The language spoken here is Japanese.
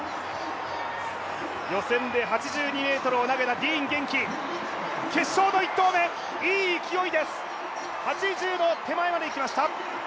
予選で８２ｍを投げたディーン元気決勝の１投目、いい勢いです、８０の手前までいきました。